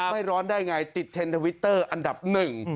ไม่ร้อนได้ไงติดเทนทวิตเตอร์อันดับหนึ่ง